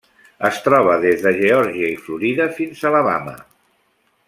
Es troba des de Geòrgia i Florida fins a Alabama.